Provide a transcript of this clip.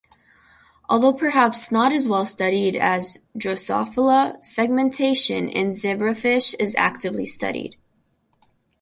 Although perhaps not as well studied as "Drosophila", segmentation in zebrafish is actively studied.